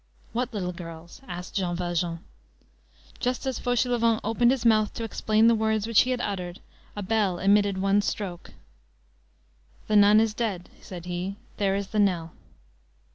"What little girls?" asked Jean Valjean. Just as Fauchelevent opened his mouth to explain the words which he had uttered, a bell emitted one stroke. "The nun is dead," said he. "There is the knell."